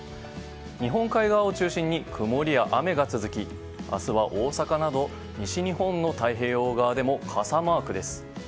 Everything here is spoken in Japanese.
日本海側を中心に曇りや雨が続き明日は、大阪など西日本の太平洋側でも傘マークです。